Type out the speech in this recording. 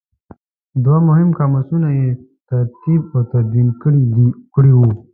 دوه مهم قاموسونه یې ترتیب او تدوین کړي وو.